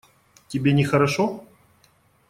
Тебе нехорошо?